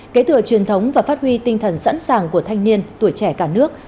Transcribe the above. kể từ truyền thống và phát huy tinh thần sẵn sàng của thanh niên tuổi trẻ cả nước